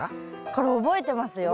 これ覚えてますよ。